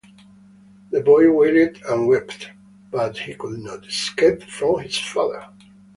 The boy wailed and wept; but he could not escape from his father.